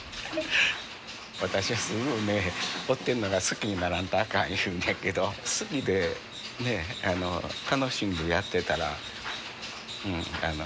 私はすぐね織ってんのが好きにならんとあかん言うんやけど好きで楽しんでやってたらまず間違いないなと。